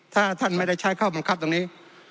ถ้าท่านไม่ได้ใช้ข้อบังคับตรงนี้